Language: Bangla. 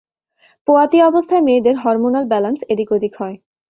পোয়াতি অবস্থায় মেয়েদের হরমোনাল ব্যালান্স এদিক-ওদিক হয়।